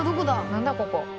何だここ？